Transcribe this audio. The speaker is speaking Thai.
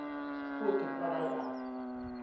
พูดถึงไรอะ